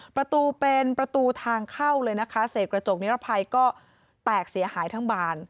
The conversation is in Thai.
ประตูเป็นประตูทางเข้าเลยนะคะเศษกระจกนิรภัยก็แตกเสียหายทั้งบาน